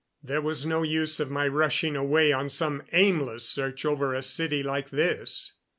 There was no use of my rushing away on some aimless search over a city like this.